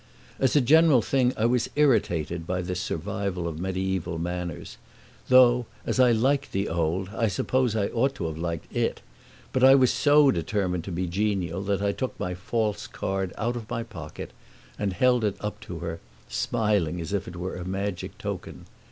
As a general thing I was irritated by this survival of medieval manners, though as I liked the old I suppose I ought to have liked it; but I was so determined to be genial that I took my false card out of my pocket and held it up to her, smiling as if it were a magic token.